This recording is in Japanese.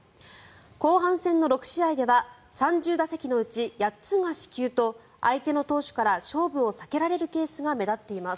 後半戦の６試合では３０打席のうち８つが四球と相手の投手から勝負を避けられるケースが目立っています。